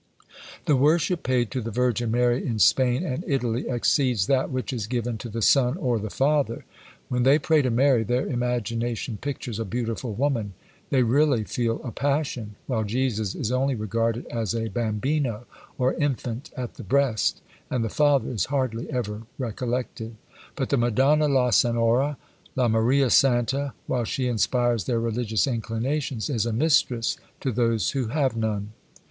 The worship paid to the Virgin Mary in Spain and Italy exceeds that which is given to the Son or the Father. When they pray to Mary, their imagination pictures a beautiful woman, they really feel a passion; while Jesus is only regarded as a Bambino, or infant at the breast, and the Father is hardly ever recollected: but the Madonna la Senhora, la Maria Santa, while she inspires their religious inclinations, is a mistress to those who have none.